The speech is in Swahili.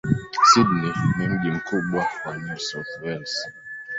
Sydney ni mji mkubwa wa New South Wales.